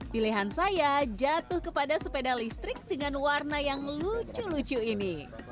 pilihan saya jatuh kepada sepeda listrik dengan warna yang lucu lucu ini